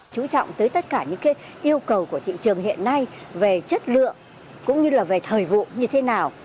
chú trọng tới tất cả những yêu cầu của thị trường hiện nay về chất lượng cũng như là về thời vụ như thế nào